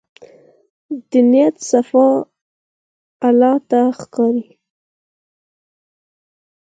د نیت صفا الله ته ښکاري.